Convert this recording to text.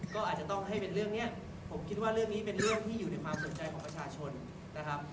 ก็อาจจะต้องให้เป็นเรื่องนี้ผมคิดว่าเรื่องนี้เป็นเรื่องที่อยู่ในความสนใจของประชาชนนะครับ